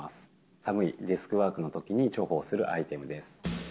寒いデスクワークのときに重宝するアイテムです。